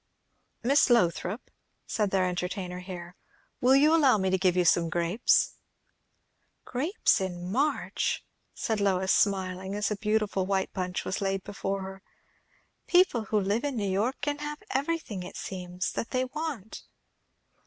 "Miss Lothrop," said their entertainer here, "will you allow me to give you some grapes?" "Grapes in March!" said Lois, smiling, as a beautiful white bunch was laid before her. "People who live in New York can have everything, it seems, that they want."